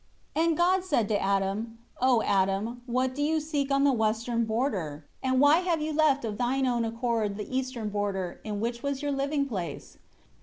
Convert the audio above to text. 4 And God said to Adam, "O Adam, what do you seek on the western border? And why have you left of thine own accord the eastern border, in which was your living place?